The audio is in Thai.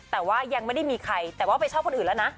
แต่ว่ายังไม่ได้มีใครแต่ว่าไปชอบคนอื่นแล้วนะ